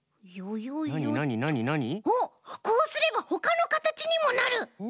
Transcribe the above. おっこうすればほかのかたちにもなる！